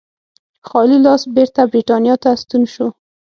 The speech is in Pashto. خالي لاس بېرته برېټانیا ته ستون شو.